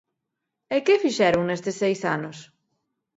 ¿E que fixeron nestes seis anos?